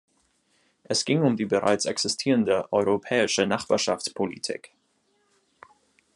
Es ging um die bereits existierende europäische Nachbarschaftspolitik.